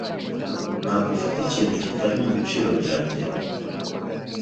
Ntabwo ufite ikintu kitari mubiciro byanjye?